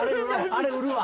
あれ売るわ。